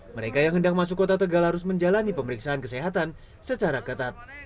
mereka yang hendak masuk kota tegal harus menjalani pemeriksaan kesehatan secara ketat